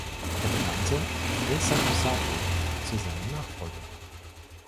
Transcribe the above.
Er benannte Eisaku Sato zu seinem Nachfolger.